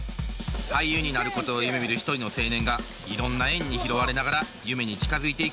俳優になることを夢みる一人の青年がいろんな縁に拾われながら夢に近づいていく物語です。